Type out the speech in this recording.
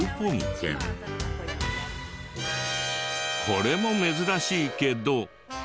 これも珍しいけど。